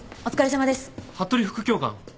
服部副教官。